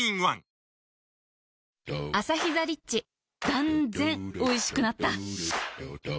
断然おいしくなった